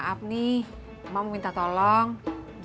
apa simpen lagi